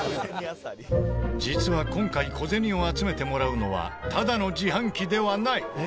実は今回小銭を集めてもらうのはただの自販機ではない！